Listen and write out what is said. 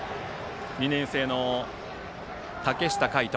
２年生の竹下海斗。